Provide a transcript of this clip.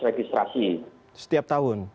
registrasi setiap tahun